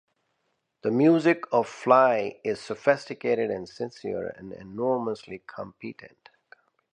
The music of Fly is sophisticated and sincere and enormously competent.